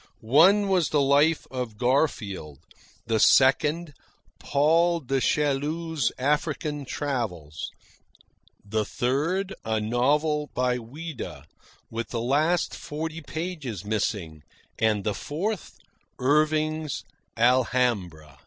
One was the life of Garfield; the second, Paul du Chaillu's African travels; the third, a novel by Ouida with the last forty pages missing; and the fourth, Irving's "Alhambra."